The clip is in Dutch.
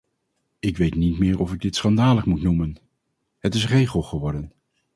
Ik weet niet meer of ik dit schandalig moet noemen, het is regel geworden.